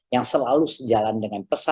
yang selalu sejalan dengan pesan